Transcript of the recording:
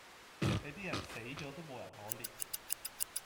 你呢種人死左都無人可憐